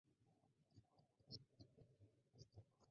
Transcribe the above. Líder del Bloque Económico Búlgaro.